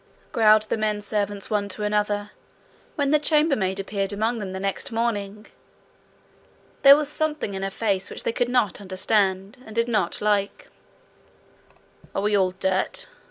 growled the menservants one to another, when the chambermaid appeared among them the next morning. There was something in her face which they could not understand, and did not like. 'Are we all dirt?'